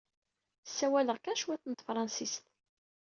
Ssawaleɣ kan cwiṭ n tefṛensist.